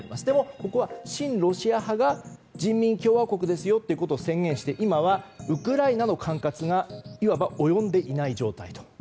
でも、ここは親ロシア派が人民共和国ですよと宣言して今はウクライナの管轄がいわば及んでいない状態。